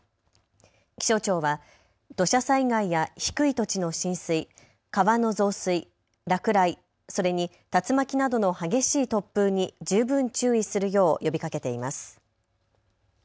気象庁は土砂災害や低い土地の浸水、川の増水、落雷、それに竜巻などの激しい突風に十分注意するよう呼びかけています。